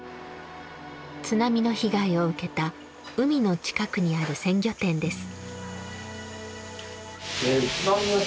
津波の被害を受けた海の近くにある鮮魚店です。